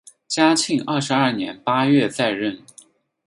嘉庆二十二年八月再任。